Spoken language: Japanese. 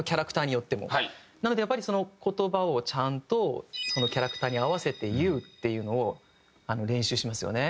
なのでやっぱり言葉をちゃんとそのキャラクターに合わせて言うっていうのを練習しますよね。